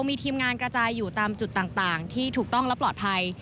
มีทีมงานกระจายอยู่ตามจุดต่างที่ถูกต้องและปลอดภัย